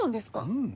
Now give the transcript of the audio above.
うん。